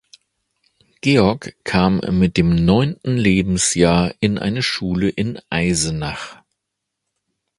Georg kam mit dem neunten Lebensjahr in eine Schule in Eisenach.